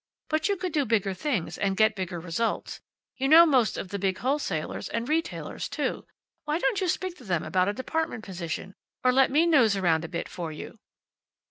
But you could do bigger things, and get bigger results. You know most of the big wholesalers, and retailers too. Why don't you speak to them about a department position? Or let me nose around a bit for you."